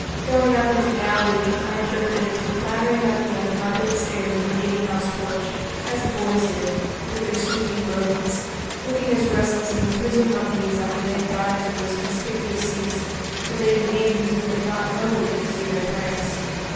"Going up into Galilee" I interpreted into clattering up the uncarpeted stairs in the meeting house porch, as the boys did, with their squeaking brogans, looking as restless as imprisoned monkeys after they had got into those conspicuous seats, where they behaved as if they thought nobody could see their pranks.